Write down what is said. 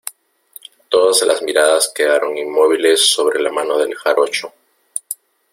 todas las miradas quedaron inmóviles sobre la mano del jarocho.